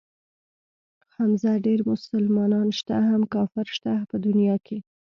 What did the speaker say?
حمزه ډېر مسلمانان شته هم کافر شته په دنيا کښې.